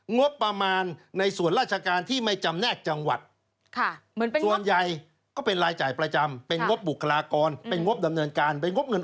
งบประมาณในส่วนราชการ